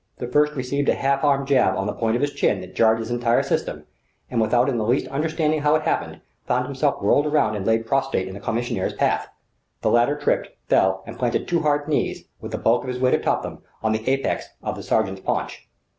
The first received a half arm jab on the point of his chin that jarred his entire system, and without in the least understanding how it happened, found himself whirled around and laid prostrate in the commissaire's path. The latter tripped, fell, and planted two hard knees, with the bulk of his weight atop them, on the apex of the sergent's paunch.